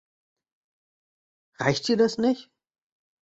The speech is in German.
Reicht dir das nicht?